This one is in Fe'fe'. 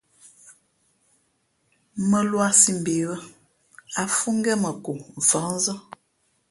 Mᾱluā sī mbe bᾱ, ǎ fhʉ̄ ngén mα ko fαhnzᾱ.